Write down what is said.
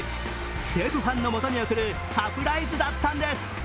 西武ファンのもとに送るサプライズだったんです。